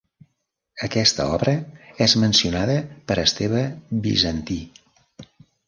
Aquesta obra és mencionada per Esteve Bizantí.